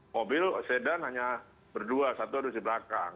mobil sedan hanya berdua satu ada di belakang